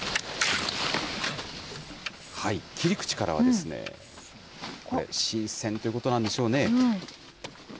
切り口からはですね、新鮮ということなんでしょうね。